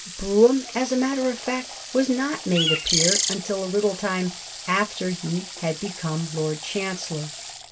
Brougham as a matter of fact was not made a peer until a little time after he had become Lord Chancellor.